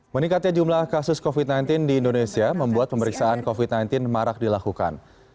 meningkatnya jumlah kasus covid sembilan belas di indonesia membuat pemeriksaan covid sembilan belas marak dilakukan